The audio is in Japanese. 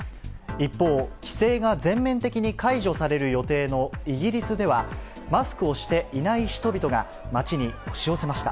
一方、規制が全面的に解除される予定のイギリスでは、マスクをしていない人々が街に押し寄せました。